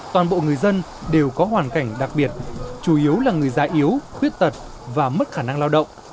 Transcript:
toàn bộ người dân đều có hoàn cảnh đặc biệt chủ yếu là người già yếu khuyết tật và mất khả năng lao động